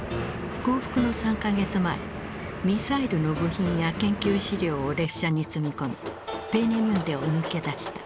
降伏の３か月前ミサイルの部品や研究資料を列車に積み込みペーネミュンデを抜け出した。